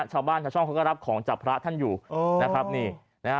ชาวบ้านชาวช่องเขาก็รับของจากพระท่านอยู่เออนะครับนี่นะฮะ